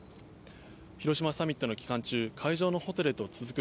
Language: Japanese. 広島サミットの期間中会場のホテルへと続く